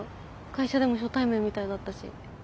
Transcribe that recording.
会社でも初対面みたいだったし。